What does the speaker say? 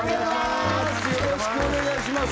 よろしくお願いします